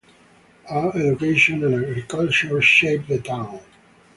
Art, education and agriculture shape the town.